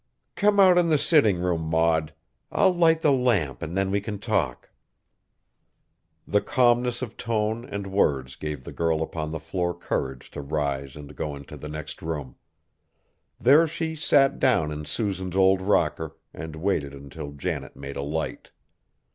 "Come out in the sitting room, Maud. I'll light the lamp and then we can talk." The calmness of tone and words gave the girl upon the floor courage to rise and go into the next room. There she sat down in Susan's old rocker and waited until Janet made a light.